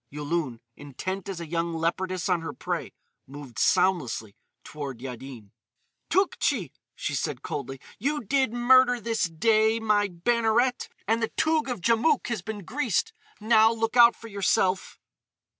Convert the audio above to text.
Yulun, intent as a young leopardess on her prey, moved soundlessly toward Yaddin. "Tougtchi!" she said coldly, "you did murder this day, my Banneret, and the Toug of Djamouk has been greased. Now look out for yourself!"